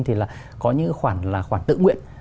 thì là có những khoản là khoản tự nguyện